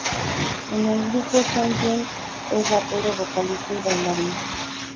En el grupo Seung-jun es rapero, vocalista y bailarín.